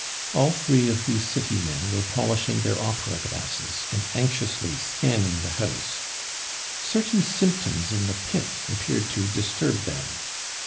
All three of these city men were polishing their opera glasses, and anxiously scanning the house; certain symptoms in the pit appeared to disturb them.